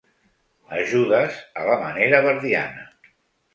Ajudes a la manera verdiana.